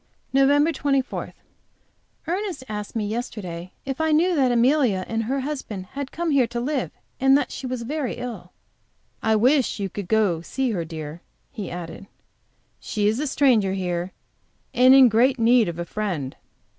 NOVEMBER 24. Ernest asked me yesterday if I knew that Amelia and her husband had come here to live, and that she was very ill. "I wish you would go to see her, dear," he added. "She is a stranger here, and in great need of a friend."